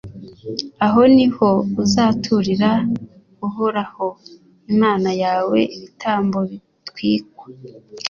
aho ni ho uzaturira uhoraho imana yawe ibitambo bitwikwa.